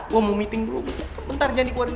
gue mau meeting dulu bentar jangan di keluarin